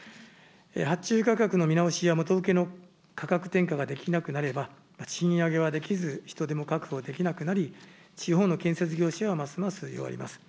発注価格の見直しや元請けの価格転嫁ができなくなれば、賃上げはできず、人手も確保できなくなり、地方の建設業者はますます弱ります。